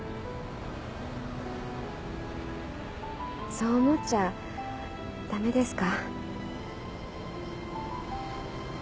そう思っちゃダメですか？